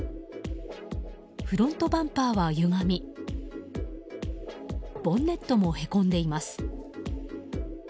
フロントバンパーはゆがみボンネットもへこんでいます。